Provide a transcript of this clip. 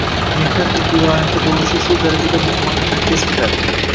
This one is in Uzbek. mehnat “ekvivalenti” bo‘lishi shu darajada muhim ahamiyat kasb etadi.